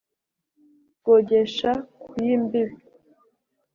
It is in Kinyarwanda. Rwogesha ku y' imbibi